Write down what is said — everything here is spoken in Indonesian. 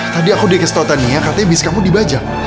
tadi aku dikestautan nih ya katanya bis kamu dibajak